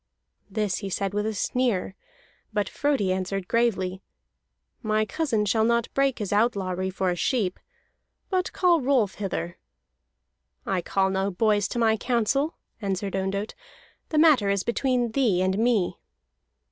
This he said with a sneer: but Frodi answered gravely: "My cousin shall not break his outlawry for a sheep. But call Rolf hither." "I call no boys to my counsel," answered Ondott. "The matter is between thee and me."